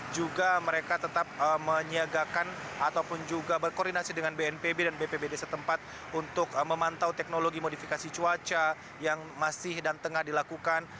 juga mereka tetap menyiagakan ataupun juga berkoordinasi dengan bnpb dan bpbd setempat untuk memantau teknologi modifikasi cuaca yang masih dan tengah dilakukan